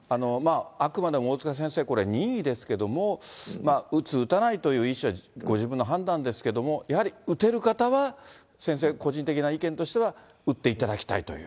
あくまでも大塚先生、これ、任意ですけれども、打つ、打たないという意思はご自分の判断ですけれども、やはり打てる方は先生、個人的な意見としては打っていただきたいという？